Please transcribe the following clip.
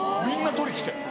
みんな取り来て。